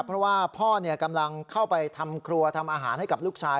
เพราะว่าพ่อกำลังเข้าไปทำครัวทำอาหารให้กับลูกชาย